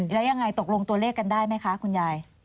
แล้วยังไงตกลงตัวเลขกันได้ไหมคะคุณยาย